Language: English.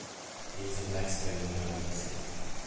He is of Mexican and German descent.